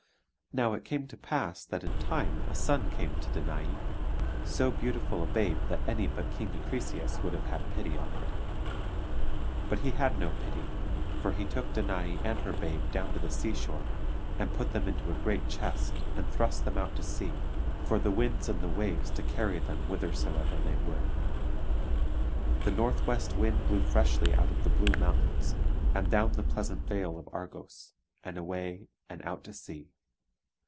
Now it came to pass that in time a son came to Danae: so beautiful a babe that any but King Acrisius would have had pity on it. But he had no pity; for he took Danae and her babe down to the seashore, and put them into a great chest and thrust them out to sea, for the winds and the waves to carry them whithersoever they would. The northwest wind blew freshly out of the blue mountains, and down the pleasant vale of Argos, and away and out to sea.